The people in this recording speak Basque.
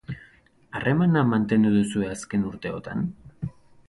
Harremana mantendu duzue azken urteotan?